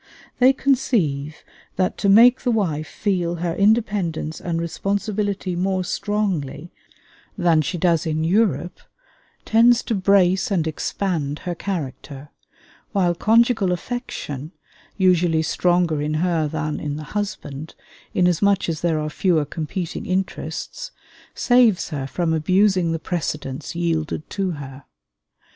They conceive that to make the wife feel her independence and responsibility more strongly than she does in Europe tends to brace and expand her character; while conjugal affection, usually stronger in her than in the husband, inasmuch as there are fewer competing interests, saves her from abusing the precedence yielded to her.